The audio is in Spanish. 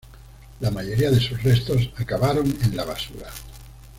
La mayoría de sus restos acabaron en la basura.